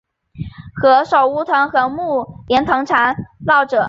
何首乌藤和木莲藤缠络着